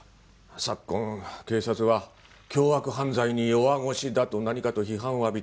昨今警察は凶悪犯罪に弱腰だと何かと批判を浴びていた。